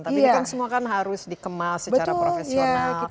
tapi ini kan semua kan harus dikemas secara profesional